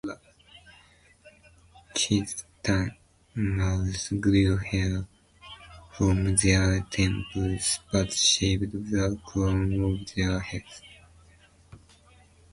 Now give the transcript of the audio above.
Khitan males grew hair from their temples but shaved the crown of their heads.